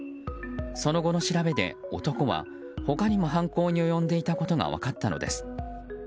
その後の調べで、男は他にも犯行に及んでいたことが分かったのです。